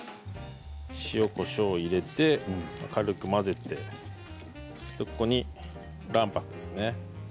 塩、こしょうを入れて軽く混ぜてここに卵白ですね。